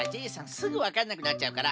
すぐわかんなくなっちゃうから。